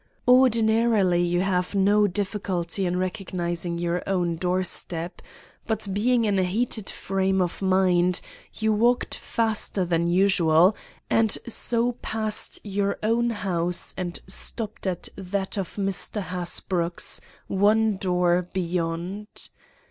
"Ordinarily you have no difficulty in recognizing your own doorstep. But, being in a heated frame of mind, you walked faster than usual and so passed your own house and stopped at that of Mr. Hasbrouck's, one door beyond.